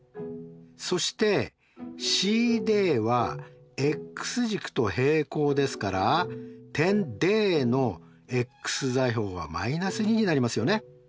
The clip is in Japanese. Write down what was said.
そしてＣＤはｘ軸と平行ですから点Ｄのｘ座標は−２になりますよね。